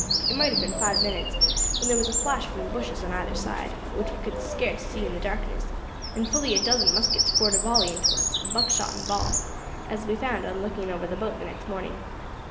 It might have been five minutes when thar was a flash from the bushes on either side which we could scarce see in the darkness, and fully a dozen muskets poured a volley into us, buckshot and ball, as we found on looking over the boat the next morning.